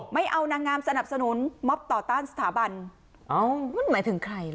ไม่เอานางงามสนับสนุนมอบต่อต้านสถาบันมันหมายถึงใครล่ะ